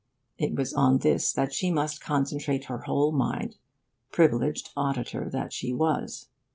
It was on this that she must concentrate her whole mind, privileged auditor that she was.